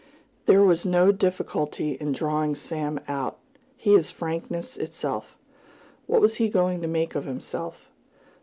There was no difficulty in drawing Sam out. He is frankness itself. What was he going to make of himself?